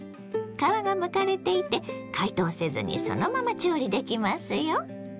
皮がむかれていて解凍せずにそのまま調理できますよ。